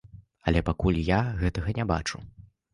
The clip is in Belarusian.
Але пакуль я гэтага не бачу.